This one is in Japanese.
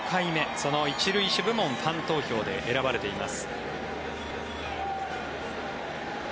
その１塁手部門ファン投票で選ばれています。